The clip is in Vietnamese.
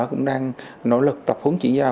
cũng đang nỗ lực tập hướng chuyển giao